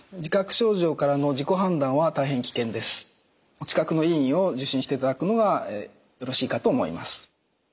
お近くの医院を受診していただくのがよろしいかと思います。